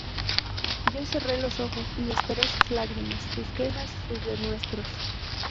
yo cerré los ojos y esperé sus lágrimas, sus quejas, sus denuestos